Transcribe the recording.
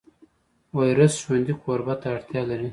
ویروس ژوندي کوربه ته اړتیا لري